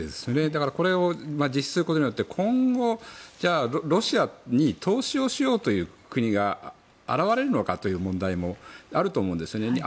だからこれを実施することによって今後、ロシアに投資をしようという国が現れるのかという問題もあると思うんですね。